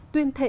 tuyên thệ bệnh